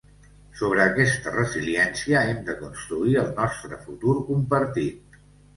Sobre aquesta resiliència hem de construir el nostre futur compartit.